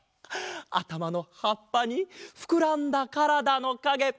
あたまのはっぱにふくらんだからだのかげ。